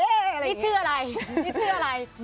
นี่ชื่ออะไรนี่ชื่ออะไรแบบนี่เคยอ่ะ